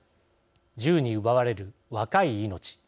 銃に奪われる若い命。